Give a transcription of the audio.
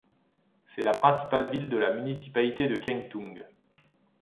C'est la principale ville de la municipalité de Kengtung.